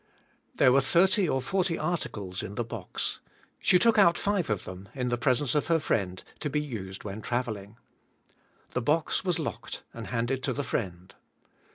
There were thirty or forty articles in the box; she took out five of them, in the presence of her friend, to be used when traveling. The box was locked and handed to the friend.